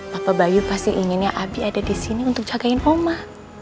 bapak bayu pasti inginnya abi ada di sini untuk jagain homa